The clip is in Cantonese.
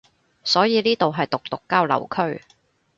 所以呢度係毒毒交流區